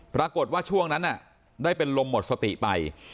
ปรากฏว่าช่วงนั้นได้เป็นลมหมดสติไป